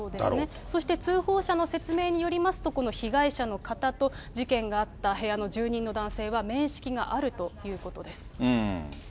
そして通報者の説明によりますと、この被害者の方と、事件があった部屋の住人の男性は面識があるということです。